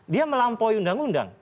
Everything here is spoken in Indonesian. dia melampaui undang undang